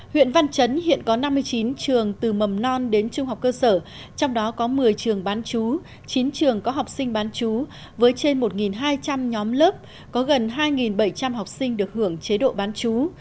huyện văn chấn hiện có năm mươi chín trường từ mầm non đến trung học cơ sở trong đó có một mươi trường bán chú chín trường có học sinh bán chú với trên một hai trăm linh nhóm lớp có gần hai bảy trăm linh học sinh được hưởng chế độ bán chú